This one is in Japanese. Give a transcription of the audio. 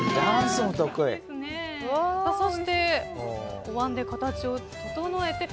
そして、おわんで形を整えて。